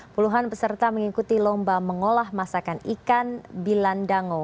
puluhan peserta mengikuti lomba mengolah masakan ikan bilandango